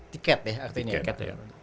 tiket ya artinya